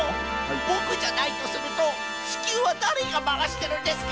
ボクじゃないとするとちきゅうはだれがまわしてるんですか！？